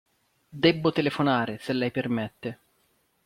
Debbo telefonare, se lei permette.